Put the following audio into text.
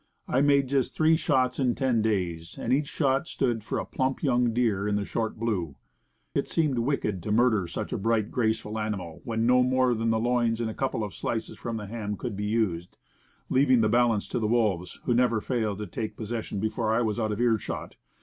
I made just three shots in ten days, and each shot stood for a plump young deer in the "short blue." It seemed wicked to murder such a bright, graceful animal, when no more than the loins and a couple of slices from the ham could be used, leaving the balance to the wolves, who never failed to take possession before I was out of ear shot.